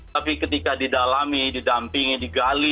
tapi ketika didalami didampingi digali